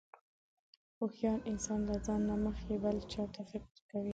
هوښیار انسان له ځان نه مخکې بل چاته فکر کوي.